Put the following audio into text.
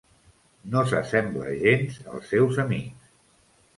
No s'assembla gens als seus amics.